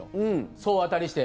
総当たりして。